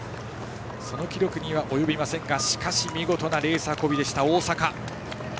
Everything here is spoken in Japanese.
その記録には及びませんがしかし、見事なレース運びでした大阪。